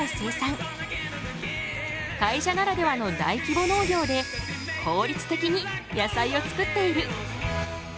会社ならではの大規模農業で効率的に野菜を作っている。